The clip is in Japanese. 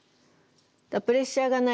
プレッシャーがない。